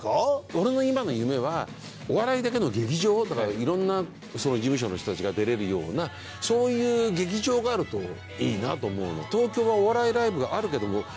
俺の今の夢はお笑いだけの劇場をだからいろんな事務所の人たちが出れるようなそういう劇場があるといいなと思うの。